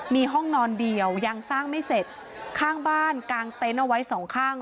มีห้องนอนเดียวยังสร้างไม่เสร็จข้างบ้านกางเต็นต์เอาไว้สองข้าง